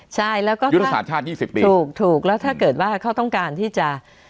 ใช่แล้วก็ถ้าถูกถูกแล้วถ้าเกิดว่าเขาต้องการที่จะ